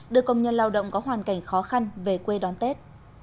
đưa công nhân lao động có hoàn cảnh khó khăn về quê đón tết